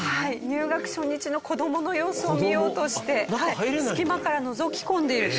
入学初日の子どもの様子を見ようとして隙間からのぞき込んでいる。